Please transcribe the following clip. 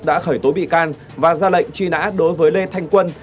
đã khởi tố bị can và ra lệnh truy nã đối với lê thanh quân